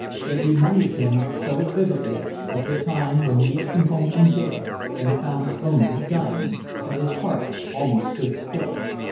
It reminded him so vividly of the time when he had come home from jail and found Ona dying, that his heart almost stood still.